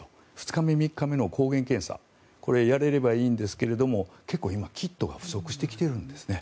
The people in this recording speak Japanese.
２日目、３日目の抗原検査やれればいいんですが結構今、キットが不足してきているんですね。